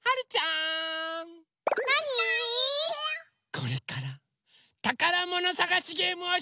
これからたからものさがしゲームをします！